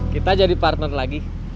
kita jadi partner lagi